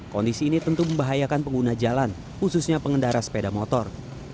kondisi ini tentu membahayakan pengguna jalan khususnya pengendara sepeda motor